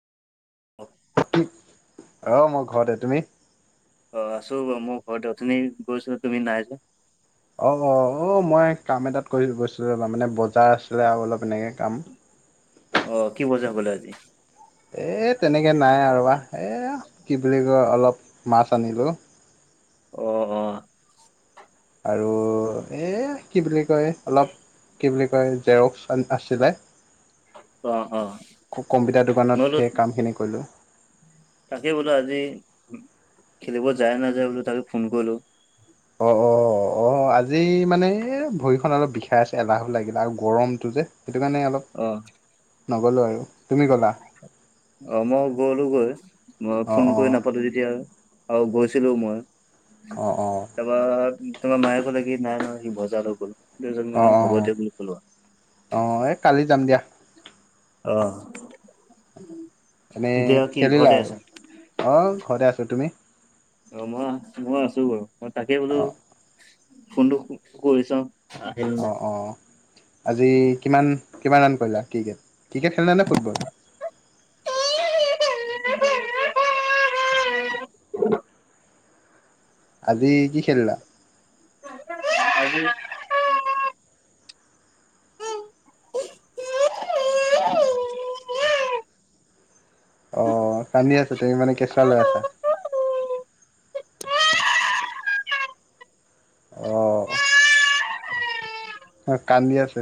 [unintelligible] অহ' মই ঘৰতে, তুমি? অঁ' আছো বাৰু মই ঘৰতে। অথনি গৈছিলোঁ তুমি নাই যে? অঁ' অঁ' অঁ' মই কাম এটাত কৰি গৈছিলোঁ ৰবা মানে বজাৰ আছিলে আৰু অলপ এনেকে কাম। অঁ' কি বজাৰ কৰিলে আজি? এই তেনেকে নাই আৰু ৰবা, এ কি বুলি কয় অলপ মাছ আনিলোঁ। অঁ' অঁ'। আৰু এ কি বুলি কয় অলপ কি বুলি কয় জেৰক্স আছিলে- অ অ কম্পিউটাৰ মই দোকানত বোলো সেই কামখিনি কৰিলোঁ। তাকে বোলো আজি খেলিব যায় নাযায় বোলো তাকে ফোন কৰিলোঁ। অঁ' অঁ' অঁ' অঁ'- অঁ' আজি মানে এই ভৰিখন অলপ বিষাই আছে এলাহো লাগিলে আৰু গৰমটো যে সেইটো কাৰণে অলপ- অঁ'। নগলোঁ আৰু। তুমি গ'লা অঁ' মই গলোঁ গৈ মই অ ফোন অ কৰি নাপালোঁ যেতিয়া। আও গৈছিলোঁ মই। অঁ অঁ। তাৰপা তোমাৰ মায়ে কলে কি নাই নহয় সি বজাৰ লৈ গ'ল, দুজন মানে হ'ব দিয়ক বুলি কলো আও। অঁ এই কালি যাম দিয়া। অহ। তুমি খেলিলা আৰু, অঁ ঘৰতে আছো, তুমি? অঁ মই মই আছো বাৰু, মই তাকে বোলো অঁ ফোনটো কৰি চাওঁ। আহিল নে নাই অঁ অঁ আজি কিমান কিমান ৰাণ কৰিলা ক্ৰিকেট? ক্ৰিকেট খেলিলা নে ফুটবল? আজি কি খেলিলা? [unintelligible] আজি আজি অহ কান্দি আছে তুমি মানে কেঁচুৱা লৈ আছা? অহ। অ কান্দি আছে।